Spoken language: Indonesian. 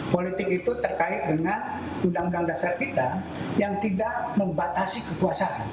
politik itu terkait dengan undang undang dasar kita yang tidak membatasi kekuasaan